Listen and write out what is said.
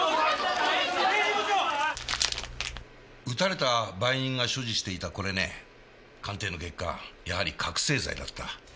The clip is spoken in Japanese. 撃たれた売人が所持していたこれね鑑定の結果やはり覚せい剤だった。